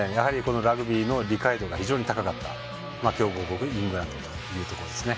ラグビーの理解度が非常に高かった強豪国のイングランドということです。